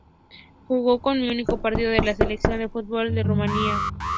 Jugó un único partido con la selección de fútbol de Rumania.